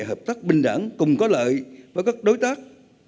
hợp tác bình đẳng cùng có lợi với các đối tác